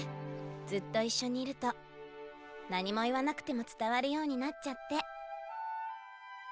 ずっと一緒にいると何も言わなくても伝わるようになっちゃって。